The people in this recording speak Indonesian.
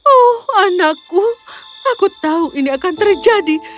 oh anakku aku tahu ini akan terjadi